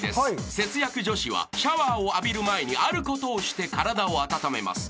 ［節約女子はシャワーを浴びる前にあることをして体を温めます。